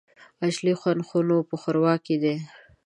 اصلي خوند خو نو په ښوروا کي دی !